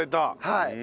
はい。